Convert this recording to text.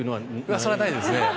それはないですね。